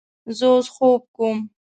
زه اوس خوب کوم